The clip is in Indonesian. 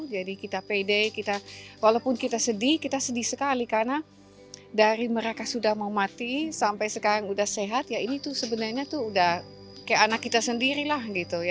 jadi kita pede walaupun kita sedih kita sedih sekali karena dari mereka sudah mau mati sampai sekarang sudah sehat ya ini sebenarnya sudah seperti anak kita sendirilah